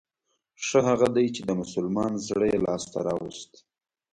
ښه هغه دی چې د مسلمان زړه يې لاس ته راووست.